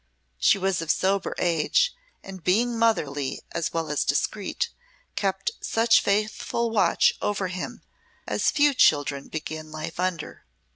She was of sober age, and being motherly as well as discreet, kept such faithful watch over him as few children begin life under.